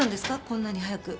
こんなに早く。